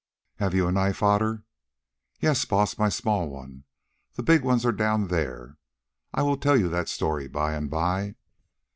"Have you a knife, Otter?" "Yes, Baas, my small one, the big ones are down there; I will tell you that story by and by."